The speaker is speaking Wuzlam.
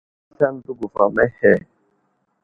War aslane di guvam ahe.